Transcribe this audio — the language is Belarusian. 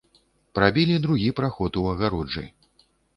Прабілі другі праход у агароджы.